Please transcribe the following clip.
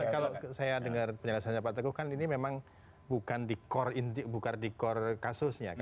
kalau saya dengar penjelasannya pak teguh kan ini memang bukan di core kasusnya